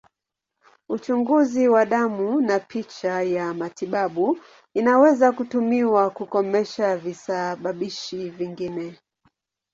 Uchunguzi wa damu na picha ya matibabu inaweza kutumiwa kukomesha visababishi vingine.